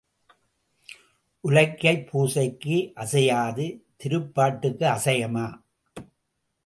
உலக்கைப் பூசைக்கு அசையாதது திருப்பாட்டுக்கு அசையுமா?